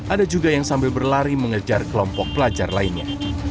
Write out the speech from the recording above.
ada juga yang sambil berlari mengejar kelompok pelajar lainnya